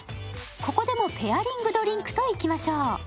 ここでもペアリングドリンクといきましょう。